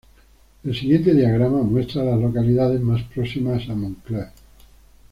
El siguiente diagrama muestra a las localidades más próximas a Montclair.